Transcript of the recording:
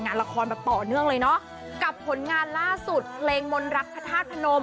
งานละครแบบต่อเนื่องเลยเนอะกับผลงานล่าสุดเพลงมนต์รักพระธาตุพนม